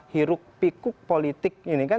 hiruk pikuk politik ini kan